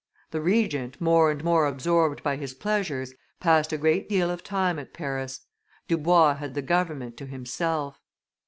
The Regent, more and more absorbed by his pleasures, passed a great deal of time at Paris; Dubois had the government to himself.